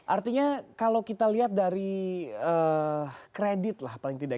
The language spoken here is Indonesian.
artinya kalau kita lihat dari kredit lah paling tidak